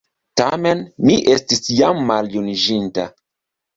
Tamen mi estis jam maljuniĝinta.